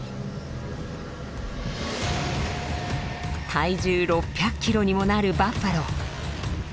体重６００キロにもなるバッファロー。